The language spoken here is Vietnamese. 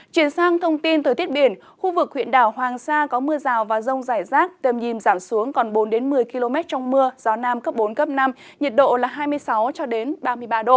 chuyển sang thông tin thời tiết biển khu vực huyện đảo hoàng sa có mưa rào và rông rải rác tầm nhìn giảm xuống còn bốn một mươi km trong mưa gió nam cấp bốn cấp năm nhiệt độ là hai mươi sáu ba mươi ba độ